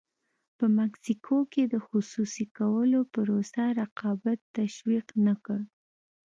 په مکسیکو کې د خصوصي کولو پروسه رقابت تشویق نه کړ.